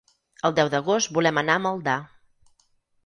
El deu d'agost volem anar a Maldà.